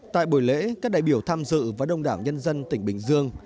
tại buổi lễ các đại biểu tham dự và đông đảo nhân dân tỉnh bình dương